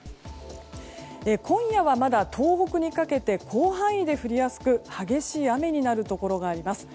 今夜はまだ東北にかけて広範囲で降りやすく激しい雨になるところがあります。